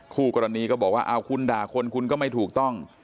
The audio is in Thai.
คู่กรณีก็บอกว่าเอาคุณด่าคนคุณก็ไม่ถูกต้อง